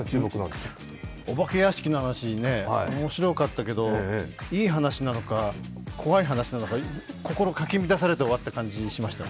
お化け屋敷の話ね、面白かったけどいい話なのか、怖い話しなのか心かき乱されて終わった感じしましたね。